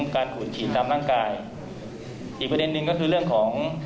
การขูดฉีดตามร่างกายอีกประเด็นหนึ่งก็คือเรื่องของ